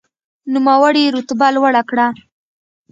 نوموړي رتبه لوړه کړه.